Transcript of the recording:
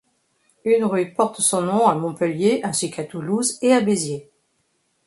Une rue porte son nom à Montpellier ainsi qu'à Toulouse et à Béziers.